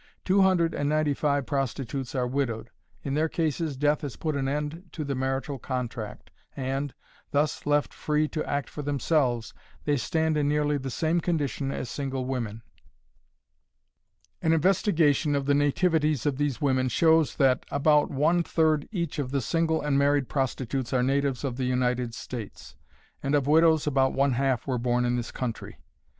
Two hundred and ninety five prostitutes are widowed. In their cases death has put an end to the marital contract, and, thus left free to act for themselves, they stand in nearly the same condition as single women. An investigation of the nativities of these women shows that about one third each of the single and married prostitutes are natives of the United States, and of widows about one half were born in this country.